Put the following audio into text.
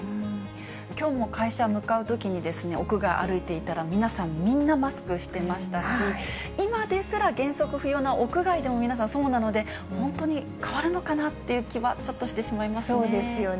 きょうも会社向かうときに、屋外歩いていたら、皆さん、みんなマスクしてましたし、今ですら、原則不要な屋外でも皆さん、そうなので、本当に変わるのかなっていう気は、そうですよね。